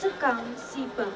sekang si bapak